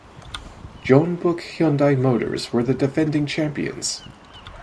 Jeonbuk Hyundai Motors were the defending champions.